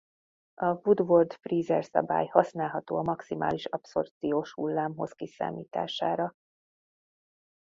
A Woodward-Fieser szabály használható a maximális abszorpciós hullámhossz kiszámítására.